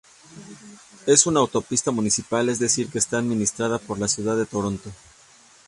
Es una autopista municipal, es decir, que está administrada por la ciudad de Toronto.